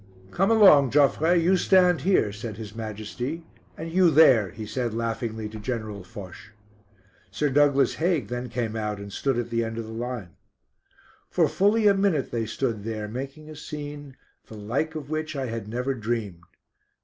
"Come along, Joffre, you stand here," said His Majesty, "and you there," he said laughingly to General Foch. Sir Douglas Haig then came out and stood at the end of the line. For fully a minute they stood there, making a scene, the like of which I had never dreamed.